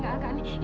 jangan sentuh saya